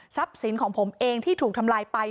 สินของผมเองที่ถูกทำลายไป